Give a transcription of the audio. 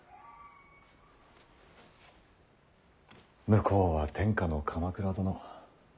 向こうは天下の鎌倉殿。